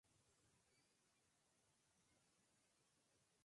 El concepto moderno de "think tank" tiene un origen militar.